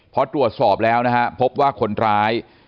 พอตรวจสอบแล้วนะฮะพบว่าคนร้าย